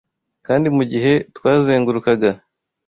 kandi, mugihe twazengurukaga